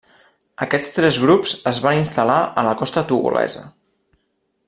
Aquests tres grups es van instal·lar a la costa togolesa.